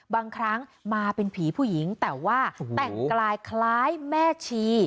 บางครั้งมาเป็นผีผู้หญิงแต่ว่าแต่งกายคล้ายแม่ชี